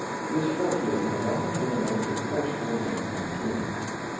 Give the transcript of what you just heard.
This forefeeling has often been a note of forceful men and women.